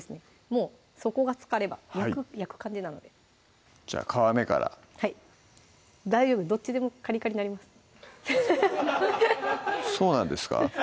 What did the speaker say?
もう底がつかれば焼く感じなのでじゃあ皮目からはい大丈夫どっちでもカリカリになりますそうなんですか？